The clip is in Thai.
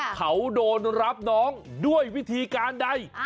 เขาโดนรับน้องด้วยวิธีการใด